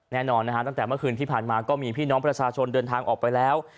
แน่นอนนะฮะตั้งแต่เมื่อคืนที่ผ่านมาก็มีพี่น้องประชาชนเดินทางออกไปแล้ว